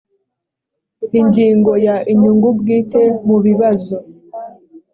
ingingo ya inyungu bwite mu bibazo